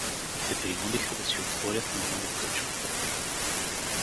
И се принудиха да си отворят наново кръчмите.